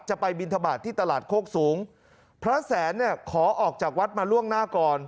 ไปบินทบาทที่ตลาดโคกสูงพระแสนเนี่ยขอออกจากวัดมาล่วงหน้าก่อน